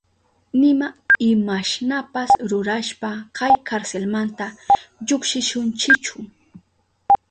Nima imashnapas rurashpa kay karselmanta llukshishunchichu.